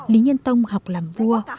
lý nhân tông học làm vua